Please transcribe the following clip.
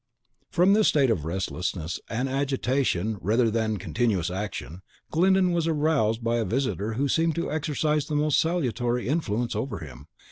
From this state of restlessness and agitation rather than continuous action, Glyndon was aroused by a visitor who seemed to exercise the most salutary influence over him.